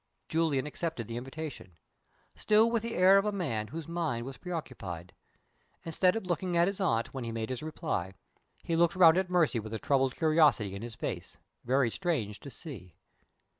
Julian accepted the invitation still with the air of a man whose mind was preoccupied. Instead of looking at his aunt when he made his reply, he looked round at Mercy with a troubled curiosity in his face, very strange to see.